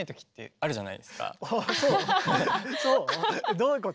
どういうこと？